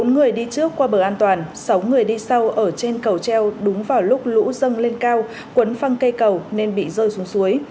bốn người đi trước qua bờ an toàn sáu người đi sau ở trên cầu treo đúng vào lúc lũ dâng lên cao quấn phăng cây cầu nên bị rơi xuống suối